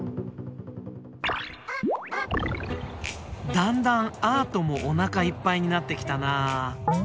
だんだんアートもおなかいっぱいになってきたなあ。